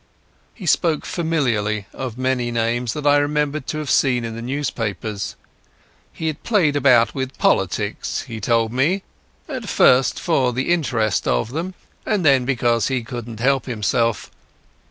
He spoke familiarly of many names that I remembered to have seen in the newspapers. He had played about with politics, he told me, at first for the interest of them, and then because he couldn't help himself.